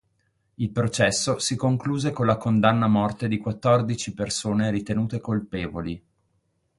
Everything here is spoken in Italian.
Il processo si concluse con la condanna a morte di quattordici persone ritenute colpevoli.